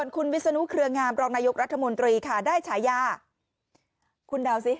คุณเดาสินี่ไม่ต้องเดา